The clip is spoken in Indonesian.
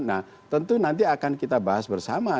nah tentu nanti akan kita bahas bersama